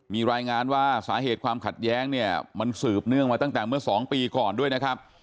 มีรายงานว่าสาเหตุความขัดแย้งเนี่ยมันสืบเนื่องมาตั้งแต่เมื่อ๒ปีก่อนด้วยนะครับ